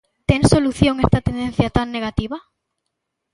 Ten solución esta tendencia tan negativa?